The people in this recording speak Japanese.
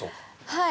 はい。